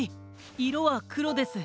いろはくろです。